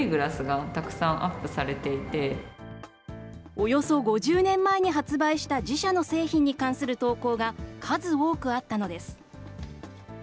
およそ５０年前に発売した自社の製品に関する投稿が、数多くあったのです。